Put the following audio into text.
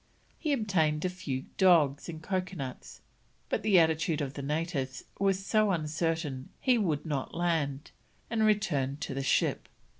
He obtained a few dogs and coconuts, but the attitude of the natives was so uncertain he would not land, and returned to the ship.